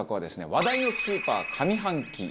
話題のスーパー上半期ヒット